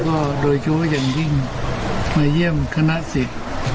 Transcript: แล้วก็โดยโชคอย่างยิ่งมาเยี่ยมคณะศิษย์